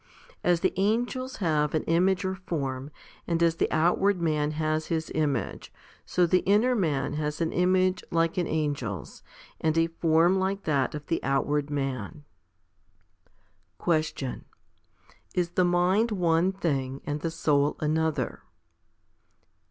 As the angels have an image or form, and as the outward man has his image, so the inner man has an image like an angel's, and a form like that of the outward man. 8. Question. Is the mind one thing and the soul another?